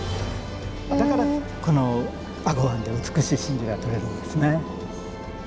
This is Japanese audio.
だからこの英虞湾で美しい真珠がとれるんですね。